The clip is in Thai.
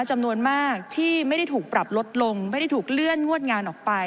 จำนวนมากที่ไม่ได้ถูกปรับลดลงไม่ได้ถูกเลื่อนงวดงานออกไป